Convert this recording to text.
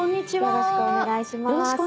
よろしくお願いします。